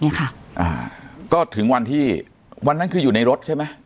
ค่ะอ่าก็ถึงวันที่วันนั้นคืออยู่ในรถใช่ไหม